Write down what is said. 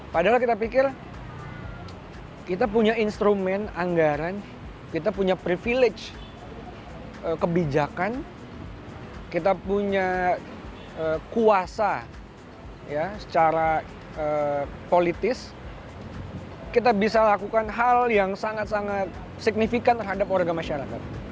padahal kita pikir kita punya instrumen anggaran kita punya privilege kebijakan kita punya kuasa ya secara politis kita bisa lakukan hal yang sangat sangat signifikan terhadap warga masyarakat